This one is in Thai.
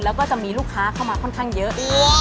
แล้วก็จะมีลูกค้าเข้ามาค่อนข้างเยอะ